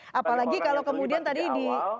apalagi kalau kemudian tadi di